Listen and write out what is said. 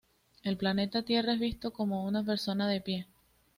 El planeta Tierra es visto como una persona de pie.